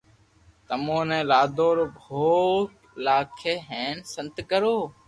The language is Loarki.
تمو ني لادو رو ڀوگ لاگي ھين سنت ڪرو